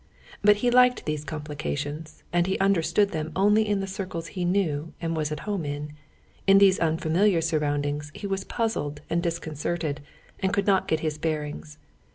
But he liked these complications, and understood them only in the circles he knew and was at home in. In these unfamiliar surroundings he was puzzled and disconcerted, and could not get his bearings.